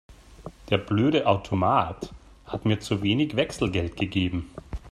Der blöde Automat hat mir zu wenig Wechselgeld gegeben.